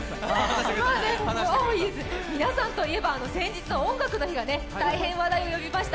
皆さんといえば、先日「音楽の日」が大変話題を呼びました。